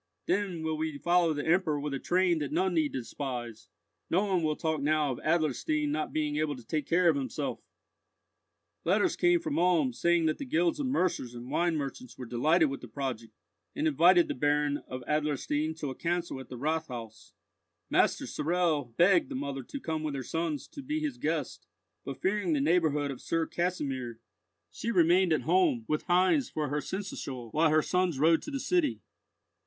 Then will we follow the Emperor with a train that none need despise! No one will talk now of Adlerstein not being able to take care of himself!" Letters came from Ulm, saying that the guilds of mercers and wine merchants were delighted with the project, and invited the Baron of Adlerstein to a council at the Rathhaus. Master Sorel begged the mother to come with her sons to be his guest; but fearing the neighbourhood of Sir Kasimir, she remained at home, with Heinz for her seneschal while her sons rode to the city.